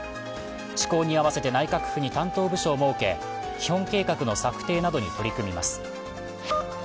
施行に合わせて内閣府に担当部署を設け基本計画の策定などに取り組みます。